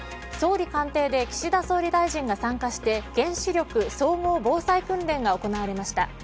総理官邸で岸田総理大臣が参加して原子力総合防災訓練が行われました。